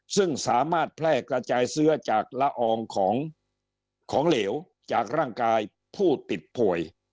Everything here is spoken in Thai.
ซึ่งสามารถแพร่กระจายเสื้อจากละอองของเหลวจากร่างกายผู้ติดป่วย